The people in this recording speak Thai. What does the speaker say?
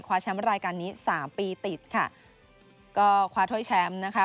แชมป์รายการนี้สามปีติดค่ะก็คว้าถ้วยแชมป์นะคะ